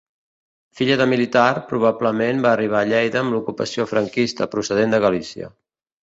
Filla de militar, probablement va arribar a Lleida amb l'ocupació franquista procedent de Galícia.